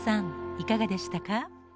いかがでしたか？